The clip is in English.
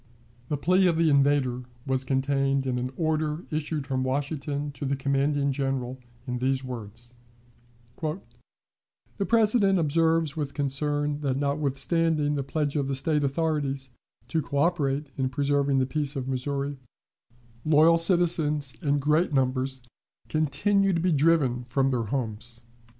The plea of the invader was contained in an order issued from Washington to the commanding General in these words: "The President observes with concern that, notwithstanding the pledge of the State authorities to coöperate in preserving the peace of Missouri, loyal citizens in great numbers continue to be driven from their homes.